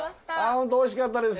本当おいしかったです